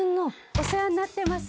お世話になってます。